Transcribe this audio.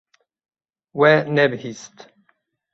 We nebihîst.